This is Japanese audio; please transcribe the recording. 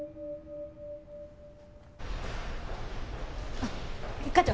あっ一課長！